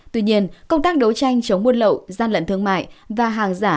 tuy nhiên công tác đấu tranh chống buôn lậu gian lận thương mại và hàng giả